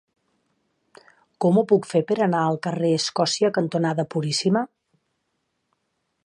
Com ho puc fer per anar al carrer Escòcia cantonada Puríssima?